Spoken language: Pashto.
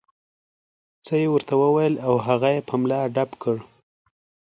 څه یې ورته وویل او هغه یې په ملا ډب کړ.